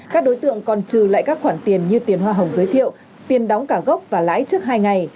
các đối tượng còn trừ lại các khoản tiền như tiền hoa hồng giới thiệu tiền đóng cả gốc và lãi trước hai ngày